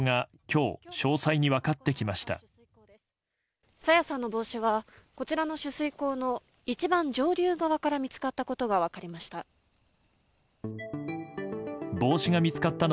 朝芽さんの帽子はこちらの取水口の一番上流側から見つかったことが分かりました。